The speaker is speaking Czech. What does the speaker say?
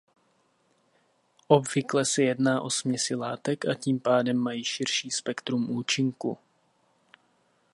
Obvykle se jedná o směsi látek a tím pádem mají širší spektrum účinku.